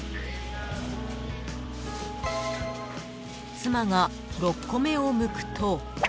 ［妻が６個目をむくと］